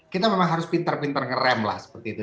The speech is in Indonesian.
kita memang harus pintar pintar ngerem lah seperti itu